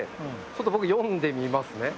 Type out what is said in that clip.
ちょっと僕読んでみますね。